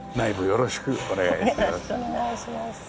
よろしくお願いします。